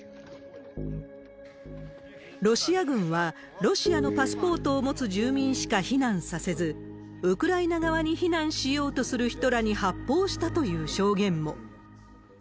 ロシア軍は、ロシアのパスポートを持つ住民しか避難させず、ウクライナ側に避難しようとする人らに発砲したという証言も。